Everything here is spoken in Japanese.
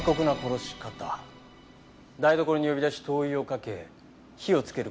台所に呼び出し灯油をかけ火をつける殺し方ですか？